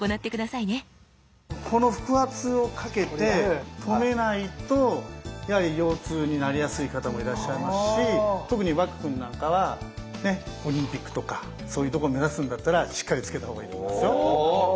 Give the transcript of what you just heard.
この腹圧をかけて止めないと腰痛になりやすい方もいらっしゃいますし特に和空くんなんかはオリンピックとかそういうとこを目指すんだったらしっかりつけた方がいいと思いますよ。